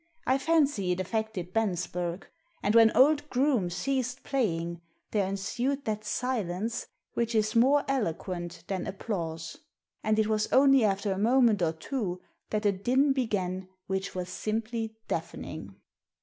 I fancy it affected Bensberg. And when old Groome ceased playing there ensued that silence which is more eloquent than applause, and it was only after a moment or two that a din began which was simply deafening.